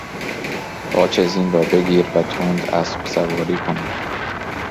قاچ زین را بگیر و تند اسبسواری کن.